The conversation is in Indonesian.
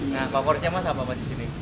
nah favoritnya mas apa mas disini